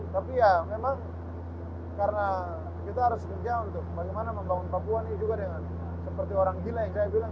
tapi ya memang karena kita harus kerja untuk bagaimana membangun papua ini juga dengan seperti orang gila yang saya bilang